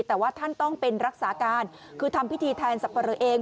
แต่ว่าท่านต้องเป็นรักษาการคือทำพิธีแทนสับปะเลอเอง